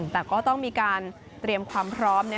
แต่ก็ต้องมีการเตรียมความพร้อม